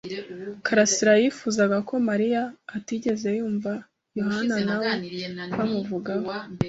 karasira yifuzaga ko Mariya atigeze yumva Yohana na we bamuvugaho.